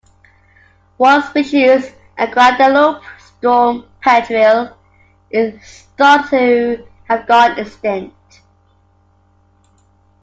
One species, the Guadalupe storm petrel, is thought to have gone extinct.